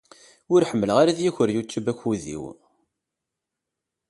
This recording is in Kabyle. Ur ḥemmleɣ ara ad yaker Youtube akud-iw.